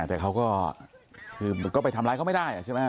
แต่เขาก็คือก็ไปทำร้ายเขาไม่ได้ใช่ไหม